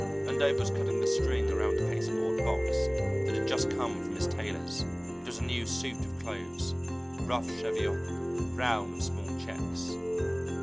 Vandover was cutting the string around a pasteboard box that had just come from his tailor's; it was a new suit of clothes, rough cheviot, brown with small checks.